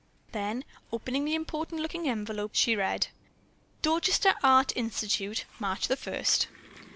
Then, opening the important looking envelope, she read: "Dorchester Art Institute, March the first.